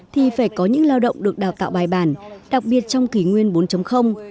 thì phải có những lao động được đào tạo bài bản đặc biệt trong kỷ nguyên bốn